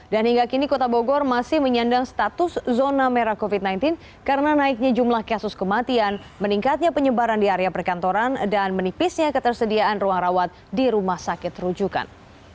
dan hingga kini kota bogor masih menyendang status zona merah covid sembilan belas karena naiknya jumlah kasus kematian meningkatnya penyebaran di area perkantoran dan menipisnya ketersediaan ruang rawat di rumah sakit rujukan